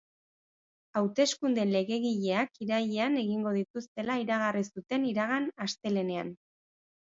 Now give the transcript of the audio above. Hauteskunde legegileak irailean egingo dituztela iragarri zuten iragan astelehenean.